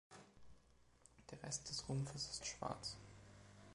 Der Rest des Rumpfes ist schwarz.